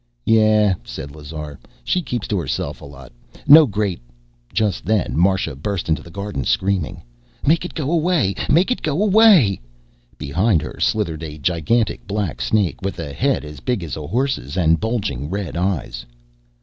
"Yeah," said Lazar, "she keeps to herself a lot. No great " Just then, Marsha burst into the garden, screaming: "Make it go away! Make it go away!" Behind her slithered a gigantic black snake, with a head as big as a horse's, and bulging red eyes.